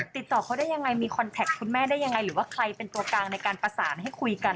ติดต่อเขาได้ยังไงมีคอนแท็กคุณแม่ได้ยังไงหรือว่าใครเป็นตัวกลางในการประสานให้คุยกัน